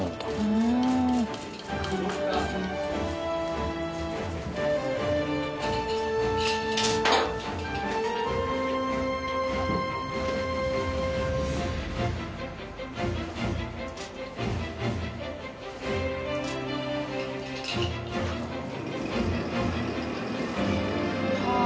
うん。はあ。